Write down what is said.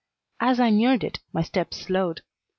As I neared it my steps slowed.